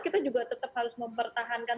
kita juga tetap harus mempertahankan